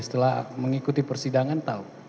setelah mengikuti persidangan tahu